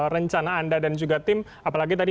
rencana anda dan juga tim apalagi tadi